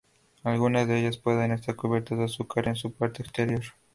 Algunas de ellas pueden estar cubiertas de azúcar en su parte exterior.